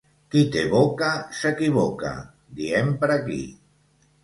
Qui té boca s'equivoca, diem per aquí.